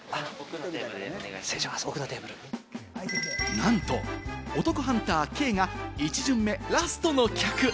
なんとお得ハンター・兄が１巡目ラストの客！